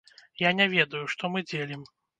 Я не ведаю, што мы дзелім.